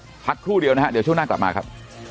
พักครู่เดียวนะฮะเดี๋ยวช่วงหน้ากลับมาครับ